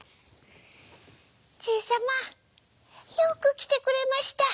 「じいさまよくきてくれました。